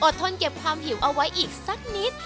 ทนเก็บความหิวเอาไว้อีกสักนิด